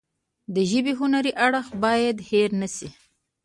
د ژبې هنري اړخ باید هیر نشي.